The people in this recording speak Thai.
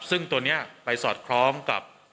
ซึ่งตัวนี้ไปสอดคล้องกับ